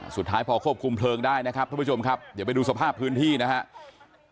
สุดท้ายพอควบคุมเพลิงได้นะครับทุกผู้ชมครับเดี๋ยวไปดูสภาพพื้นที่นะครับ